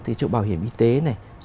từ chỗ bảo hiểm y tế này